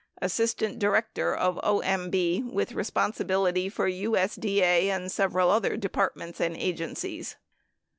632 Assistant Director of OMB with responsibility for USD A and several other departments and agencies.